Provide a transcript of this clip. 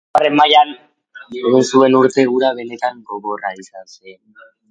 Hirugarren mailan egin zuen urte hura benetan gogorra izan zen.